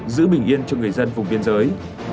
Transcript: giữ bình yên cho người dân vùng biên giới